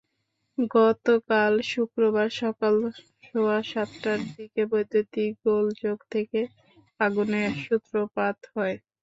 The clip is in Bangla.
গতকাল শুক্রবার সকাল সোয়া সাতটার দিকে বৈদ্যুতিক গোলযোগ থেকে আগুনের সূত্রপাত হয়।